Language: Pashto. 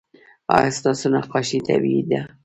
ایا ستاسو نقاشي طبیعي ده؟